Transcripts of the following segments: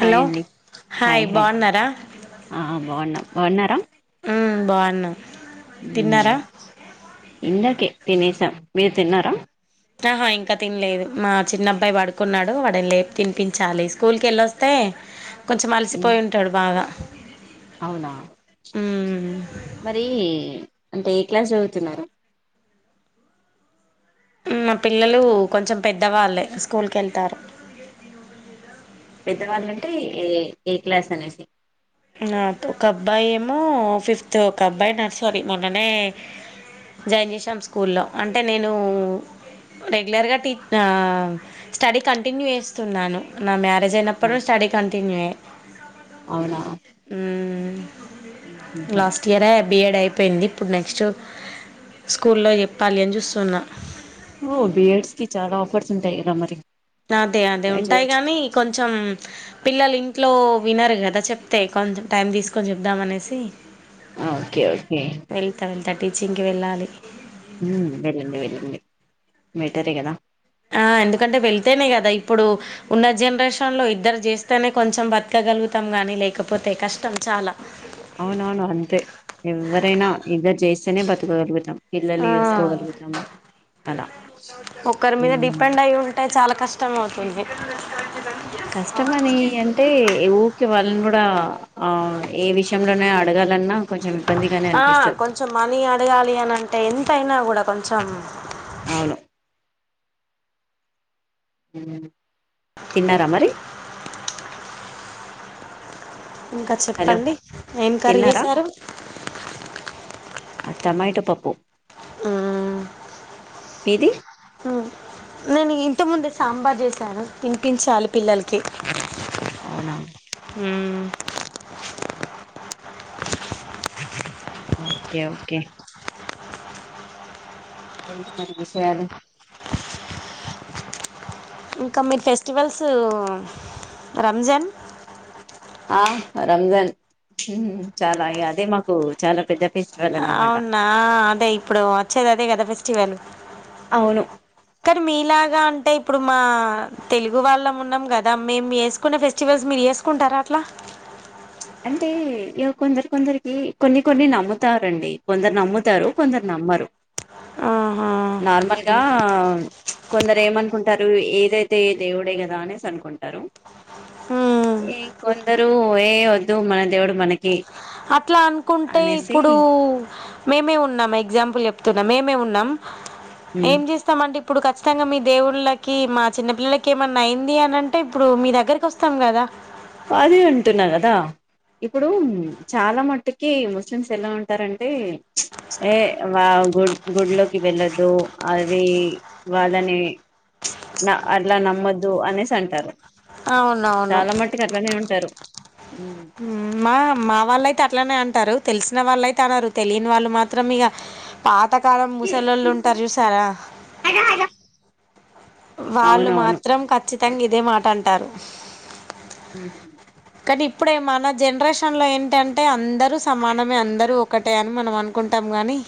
Hi అండి hi బాగున్నారా ఆ బాగున్నాం బాగున్నారా ఉ ఇందాకే తినేసాం మీరు తిన్నారా ఆహా ఇంకా తినలేదు మా చిన్నబ్బాయి వాడుకున్నాడు వాడని లేపు తినిపించాలి స్కూల్ క వెళ్ళొస్తే కొంచెం మ్మ్ అలసిపోయి ఉంటాడు బాగా అవునా ఉ మరి అంటే ఏ క్లాస్ చదువుతున్నారు మా పిల్లలు కొంచెం పెద్దవాళ్ళే స్కూల్కి వెళ్తారు పెద్దవాళ్ళంటే ఏ ఏ క్లాస్ అనేసి నా ఒక అబ్బాయి ఏమో ఫిఫ్త్ ఒక అబ్బాయి నర్సరీ మొన్ననే జాయిన్ చేసాం స్కూల్లో అంటే నేను రెగ్యులర్ గా ఇట్టా స్టడీ కంటిన్యూ చేస్తున్నాను నా మ జనప్పుడు ఆ, స్టీడి కంటిన్యూ అవునా మ్మ్. లాస్ట్ ఇయరే బిఎడ్ యిపో పోయింది ఇప్పుడు నెక్స్ట్ స్కూల్లో చెప్పాలి అని చూస్తున్న ఓ బియడ్స్ కి చాలా ఆఫర్స్ ఉంటాయి కదా మరి అదే అదే ట్రై ఉంటాయి చేయొచ్చు కాగాని కొంచెం పిల్లలు ఇంట్లో వినరు కదా చెప్తే కొంచెం టైం తీసుకొని చెప్దాం అనేసి ఓకే ఓకే ఇంత టీచింగ్కి వెళ్ళాలి వెళ్ళండి వెళ్ళండి బెటరే కదా ఆ ఎందుకంటే వెళ్తేనే కదా ఇప్పుడు ఉన్న జనరేషన్ లో ఇద్దరు జేస్తేనే కొంచెం బతకగలుగుతాం కానీ లేకపోతే కష్టం చాలా అవునవును అంతే ఎవరైనా ఇకా చేస్తేనే బతుకగలుగుతాం ఆ పిల్లలు వేసుకోగలుగుతాం అలా కష్టమవుతుంది కష్టమని అంటే ఊరికే వాళ్ళన్ గూడ ఇ ఆ ఏ విషయంలోనే అడగాలన్నా కొంచెం ఇబ్బందిగానే ఆ అనిపిస్తది కొంచెం మనీ అడగాలి అని అంటే ఎంతయినా కూడా కొంచెం అవును తిన్నారా మరి ఇంకా హలో చెప్పండి ఎంకరీ తిన్నారా చేేశారు ఆ టొమాటో పప్పుూ ఆ మీది నేను ఇంత ముందే సాంబార్ చేసాను తినిపించాలి పిల్లలకి అవునా ఉ అ ఓకే ఓకే ఎంటి మరి విషయాలు ఇంకా మీరు ఫెస్టివల్స్ రంజాన్ ఆ రంజాన్ చాలా అ అదే మాకు చాలా పెద్ద ఫెస్టివల్ అన్నమాట అవునా అదే ఇప్పుడు వచ్చేది అదే కదా ఫెస్టివల్ అవును క్కరి మీలాగా అంట అంటే ఇప్పుడు మా తెలుగు వాళ్ళం ఉన్నాం గదా మేము జేసుకునే ఫెస్టివల్స్ మీరు జేసుకుంటారా అట్లా అ అంటే ఇగ కొందరి కొందరికి కొన్ని కొన్ని నమ్ముతారండి కొందరు నమ్ముతారు కొందరు నమ్మరు ఆహా నార్మల్గా కొందరు ఏమనుకుంటారు ఏదైతే ఏ దేవుడే కదా అనేసి అనుకుంటారు మ్మ్ ఏ ఇంకొందరు ఏ వద్దు మన దేవుడు మనకి అట్లా అనుకుంటే అనేసి ఇప్పుడు మేమే ఉన్నం ఎగ్జాంపుల్ చెప్తున్నా మేమే ఉన్నం ఏం చేస్తామండి ఇప్పుడు ఖచ్చితంగా మీ దేవుళ్ళకి మా చిన్నపిల్లలకి ఏమన్నా అయింది అని అంటే ఇప్పుడు మీ దగ్గరికి వస్తాం కదా అదే అంటున్నా కదా ఇప్పుడు చాలా మట్టుకి ముస్లిమ్స్ ఎలా ఉంటారంటే ప్చ్ ఏ వావ్ గు గుడ్లోకి వెళ్ళొద్దు అవి వాళ్ళని ప్చ్ న అట్లా నమ్మద్దు అనేసి అంటారు అవునవును చాలా మట్టుకు అట్లానే ఉంటారు మా మా వాళ్ళయితే అట్లనే అం టారు తెలిసిన వాళ్ళయితే అనరు తెలియని వాళ్ళు మాత్రం ఇక ఆప్ తకాలం ముసలోళ్ళు ఉంటారు చూసారా వాళ్ళు అవునవును మాత్రం ఖచ్చితంగా ఇదే మాట అంటారు ఊ కానీ ఇప్పుడే మన జనరేషన్ లో ఏంటంటే అందరూ సమానమే అందరూ ఒకటే అని మనం అనుకుంటాము వని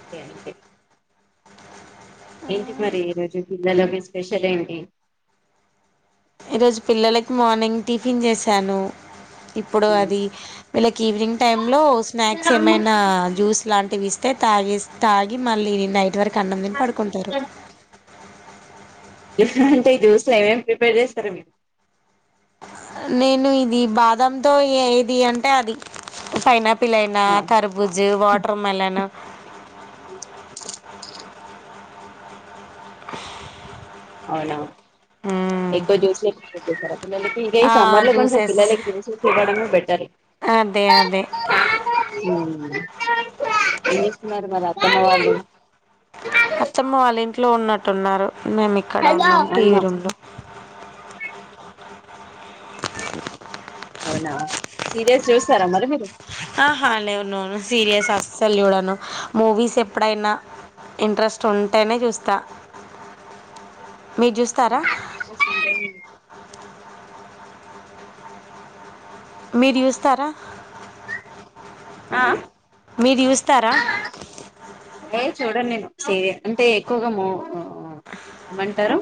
అంతే అంతే ఏంటి మరి ఈరోజు పిల్లలో మీ స్పెషల్ ఏంటి ఈరోజు పిల్లలకి మార్నింగ్ టిఫిన్ చేశాను ఇప్పుడు ఉమ్. అది వీళ్ళకి ఈవినింగ్ టైమ్ లో స్నాక్స్ ఏమైనా జ్యూస్ లాంటివి ఇస్ తే తాగిస్ తాగి మళ్ళీ నైట్ వరకు అన్నం దిని పడుకుంటరు అంటే ఈ జూస్ ల ఏమేమి ప్రిపేర్ చేస్తరు మీరు నేను ఇది బాదంతో ఏ ఏది అంటే అది ఫైనాప్ పిలనా ఆ, తరబుజు వాటర్మెలను అవునా ఆ ఎక్కువ జ్యూస్ ఏ ప్రిఫర్ చేస్తారా పిల్లలకి ఇగ ఈ ఆ సమ్మర్ లో కొంచెం జ్యూసెస్ పిల్లలకి జ్యూసెస్ ఇవ్వడమే బెటర్ అదే అదే ఉమ్. ఏం జెస్తున్నారు మరి అత్తమ్మ వాళ్ళు అత్తమ్మ వాళ్ళ ఇంట్లో ఉన్నట్టున్నారు మేము ఇక్కడ ఉన్నాం టీవీ అవునా రూం లో అవునా సీరియల్స్ చూస్తారా మరి మీరు ఆహా లేదు నో నో సీరియల్స్ అస్సలు చూడను మూవీస్ ఎప్పుడైనా ఇంట్రెస్ట్ ఉంటేనే చూస్తా మీరు చూస్తారా మీరు చూస్తారా ఆ మీరు చూస్తారా ఏ చూడను నేను సీరియల్ అంటే ఎక్కువగా మొ ఏమంటరు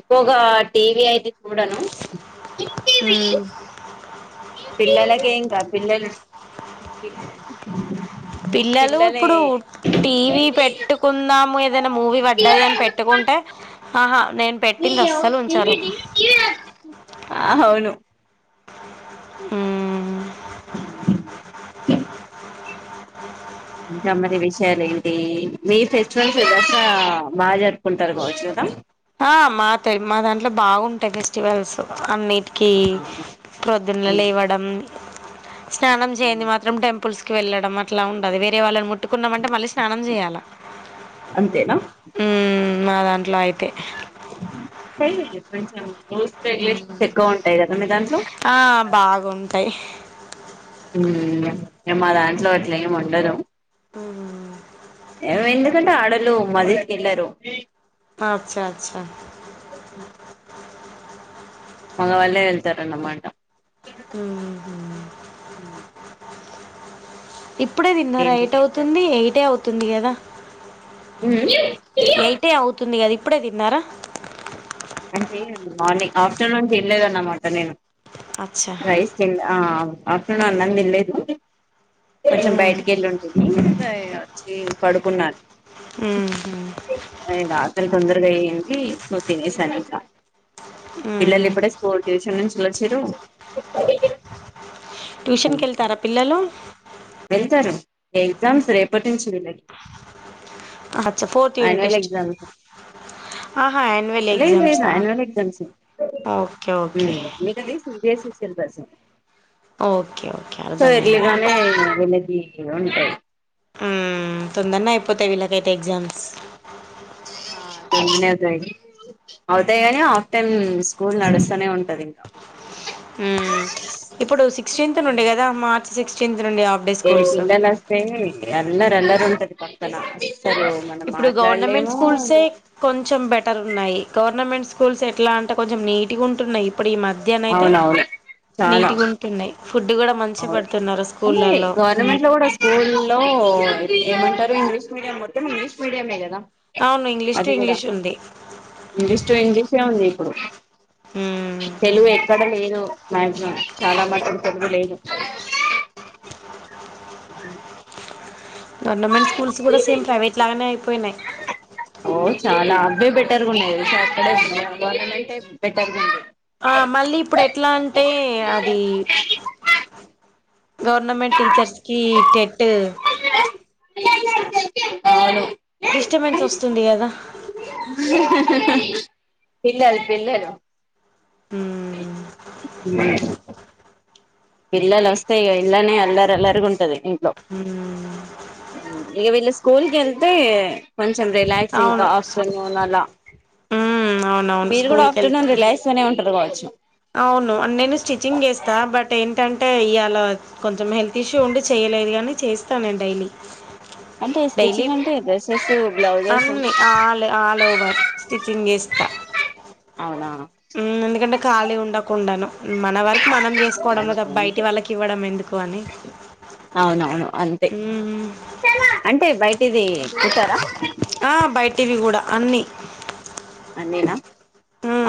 ఎక్కువగా టీవీ అయితే చూడను ఊ పిల్లలకె ఇంకా పిల్లలు పిల్లలు పిల్లలే ఇప్పుడు టీవీ పెట్టుకుందాము ఏదైనా మూవీ పడ్డది అని పెట్టుకుం టే హ అవును ఊ ఇంకా మరి విషయాలు ఏంటి మీ ఫెస్టివల్స్స బాగా జరుపుకుంటారు కావచ్చు కదా ఆ మాతె మా దాంట్లో బాగుంటాయి ఫెస్టివల్స్ అన్ని కి ప్రొద్దున్నే లేవ్వడం స్నానం చేయంది మాత్రం టెంపుల్స్ కి వెళ్ళడం అట్లా ఉండదు వేరే వాళ్ళని ముట్ ముట్టుకున్నామంటే మళ్ళీ స్నానం చేయాల అంతేనా మా దాంట్లో అయి టే కొంచెం రూల్స్ రెగ్యులేషన్స్ ఎక్కువ ఉంటాయి కదా మీ దాంట్లో ఆ బాగుంటాయి మా దాంట్లో అట్లే ఏమి ఉండరు హ్మ్మ్ ఎందుకంటే ఆడలు మది వెళ్ళరు అచ్చా అచ్చా మగవాళ్ళే వెళ్తారన్నామాట హ్మ్మ్ ఇప్పుడే ఏం తిన్నారా ఎట్ చేశారు అవుతుంది ఎయిటే అవుతుంది కదా ఎయిట్ అవుతుంది కదా ఇప్పుడే తిన్నారా అంటే మార్నింగ్ ఆఫ్టర్నూన్ తినలేదన్నమాట నేను అచ్చా రైస్ తిన్ ఆ ఆఫ్టర్నూన్ అన్నం తినలేదు కొంచెం ఉమ్ బయటికి కేళ్ళింటిని వచ్చి పడుకున్నాను ఉమ్మ్ ఆకలి తొందరగా అయ్యింది సూ తినేసానింకా పిల్లలు ఉమ్ ఇప్పుడే స్కూల్ ట్యూషన్ నుంచి వచ్చిరు ట్యూషన్ కీ వెళ్తారా పిల్లలు వెళ్తారు ఎగ్జామ్స్ రేపటి నుంచి విళ్ళగి అచ్చా fourth unit annual test exams ఆహా యాన్యువల్ లేదు లేదు ఎగ్జామ్సా అన్యువల్ ఎగ్జామ్స్ ఓకే ఓకే మీ కేల్లి CBSE syllabus okay okay so అర్ధమైంది ఎర్లీగానే వీళ్ళకి ఉంటాయి హ్మ్మ్ తొందరనే అయిపోతాయి వీళ్ళకైతే ఎగ్జామ్స్ ఆ తొందనే అయితాయి అవుతాయి గానీ హాఫ్ టన్ స్కూల్ నడుస్తూనే ఉంటది ఇంకా ఇప్పుడు సిక్స్టీన్త్ నుండి కదా మార్చ్ సిక్స్టీన్త్ నుండి హాఫ్ డే ఏ స్కూల్స్ పిల్లల వస్తే అల్లరి అల్లరి ఉంటది పక్కన అసలు మనం ఇప్పుడు గవర్నమెంట్ మాట్లాడలేము స్కూల్సే కొంచెం బెటర్ ఉన్నాయి గవర్నమెంట్ స్కూల్స్ ఎట్లా అంటే కొంచెం నీట్గా ఉంటున్నాయి ఇప్పుడు ఈ మధ్యాన అయితే అవునవును నీట్గా ఉంటున్నాయి ఫుడ్ కూడా మంచిగా అవు పెడుతున్నారు అంటే స్కూళ్ళలో గవర్నమెంట్ లో కూడా స్కూల్ లో ఏమంటారు ఇంగ్లీష్ మీడియం మొత్తం ఇంగ్లీష్ మీడియమే గదా అవును ఇంగ్లీష్ టు ఇంగ్లీష్ ఉంది ఇంగ్లీష్ టు ఇంగ్లీషే ఉంది ఇప్పుడు మ్మ్ తెలుగు ఎక్కడ లేదు మాక్సిమం చాలా మాత్రం తెలుగు లేదు గవర్నమెంట్ స్కూల్స్ కూడా సేమ్ ప్రైవేట్ లాగానే అయిపోయినాయి ఓ చాలా అవే బెటర్గా ఉండాయి అక్కడంటే బెటర్గా ఉన్నాయి ఆ మళ్ళీ ఇప్పుడు ఎట్లా అంటే అది గవర్నమెంట్ టీచర్స్కి టెట్ అవును డిస్టబెన్స్ వస్తుంది కదా పిల్లలు పిల్లలు మ్మ్ ఇిల్ల్లో వస్తే ఇ ఇల్నే ఎల్రు ఎలరి ఉంటది మ్మ్ ఇక వీళ్ళ స్కూల్ క వెళ్తే మంచి కొ అవును రసింగ్ాల మ్మ్ అవునవును మీరు కూడా స్కూల్కి వెళ్తే ఆఫ్టర్నూన్ రిలాక్స్ నే ఉంటారు కాబట్ు అవును నేను స్టిచ్చింగ్ చేస్తా బట్ ఏంటంటే ఇవాళ కొ కొంచెం హెల్త్ ఇష్యూ ఉండి చేయలేదు కానీ చేస్తాను నేను డైలీ అంటే డైలీ స్టిచ్చింగ్ అంటే డ్రెస్సెస్ బ్లౌజెస్ అన్ని ఆల్ ఆల్ ఓవర్ స్టిచ్చింగ్ చేస్త కుత్త అవునా ఎందుకంటే కాళి ఉండకు ఉండను మన వరకు మనం చేసుకోవడంంలో త అంతే బయటి అంతే వాళ్ళకి ఇవ్వడం ఎందుకు అని అవునవును అంతే మ్మ్ అంటే బయటిది ఎ కుతారా బయటివి కూడా అన్నీ అన్నేనా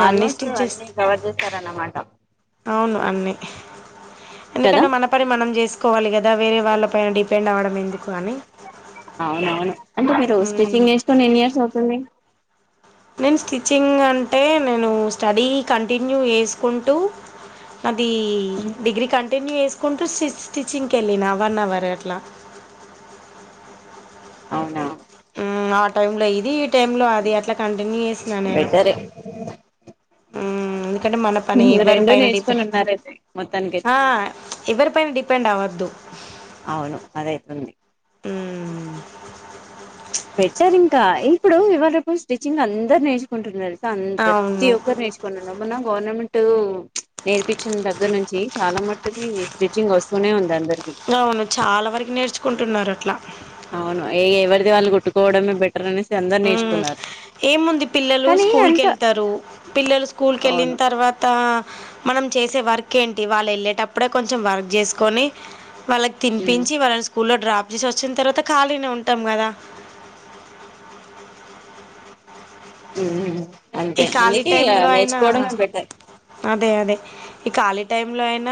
ఆల్మోస్ట్ అన్ని చేస్తా కవర్ చేస్తారన్నమాట అన్నీ కదా ఎందుకంటే మన పని మనం చేసుకోవాలి కదా వేరే వాళ్ళ పన డి అవునవును అంటే మీరు మ్మ్ స్టిచ్చింగ్ వేసుకొని ఎన్ని ఇయర్స్ అవుతుంది నేను స్టిచ్చింగ్ అంటే నేను స్టడీ కంటిన్యూ చేసుకుంటూ నాది డిగ్రీ కంట కన్ వసుకుంటూ స్టింగ్ వెళ్ళిన వన్ అవర్ అట్లా అవునా ఆ టై లో ఇది ఈ టైమ్ లో అది అట్లా కంటిన్యూ చేసినా నేను బెటరే మ్మ్ ఎందుకంటే మన పని ఇవ్వరి రెండు పైన నేర్చుకొని ఉన్నారైతే మొత్తానికైతే ఆ ఎవరి పైన డిపెండ్ అవద్దు అవును అదైతుంది అ బెటర్ ఇంకా ఇప్పుడు ఇవాళప్పు స్టిచ్చింగ్ అందరు నేర్చుకుంటున్నారు ప్రతి అవును ఒక్కరు నేర్చుకుని మొన్న గవర్నమెంట్ నేర్పించిన దగ్గర నుంచి చాలా మట్టుకి స్టిచ్చింగ్ వస్తూనే ఉంది అంద అవును చాలా వరకు నేర్చుకుంటున్నారు అట్లా అవును ఏ ఎవరిది వాళ్ళు కుట్టుకోవడమే బట్ అందరు మ్మ్ నేచున్నారు ఏముంది పిల్లలు స్కూల్కి వెళ్తారు పిల్లలు స్కూల్కి వెళ్ళిన అవును తర్వాత మనం చేసే వర్క్ ఏంటి వాళ్ళు వెళ్ళేటప్పుడే కొంచెం వర్క్ చేసుకొని వాళ్ళకి ఉమ్ తినిపించి వాళ్ళని స్కూల్లో డ్రాప్ చేసి వచ్చిన తర్వాత ఖాళీనే ఉంటాం కదా ఉ ఈ అంతే ఖాళీ అందుకే టైంలో అయినా నేర్చుకోవడంే బట్టారు అదే అదే ఈ ఖాళీ టై లో అయినా